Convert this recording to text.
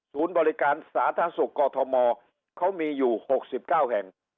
บริการสาธารณสุขกอทมเขามีอยู่๖๙แห่ง